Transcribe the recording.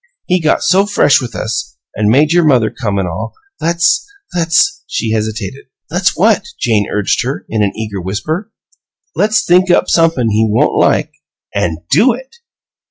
"He got so fresh with us, an' made your mother come, an' all, let's let's " She hesitated. "Let's what?" Jane urged her, in an eager whisper. "Let's think up somep'n he won't like an' DO it!"